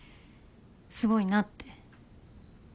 すごいなって。